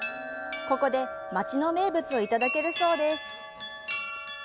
ここで街の名物をいただけるそうです。